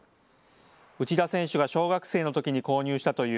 内田選手が小学生のときに購入したという